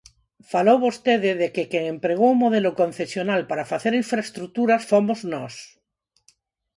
Falou vostede de que quen empregou o modelo concesional para facer infraestruturas fomos nós.